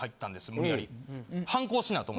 無理やり。